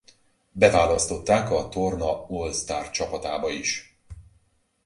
Beválasztották a torna All Star-csapatába is.